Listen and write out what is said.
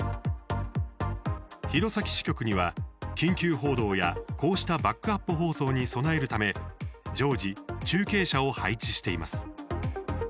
弘前支局には緊急報道やこうしたバックアップ放送に備えるため、常時中継車を配置しています。